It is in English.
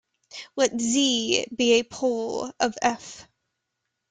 Let "z" be a pole of "f".